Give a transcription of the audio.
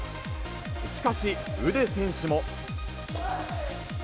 しかし、ウデ選手も。